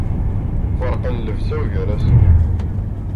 Ferqen llebsa-w gar-asen.